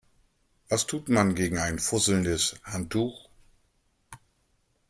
Was tut man gegen ein fusselndes Handtuch?